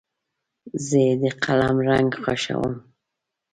زه د قلم رنګ خوښوم.